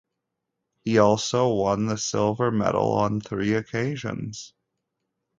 He also won the silver medal on three occasions.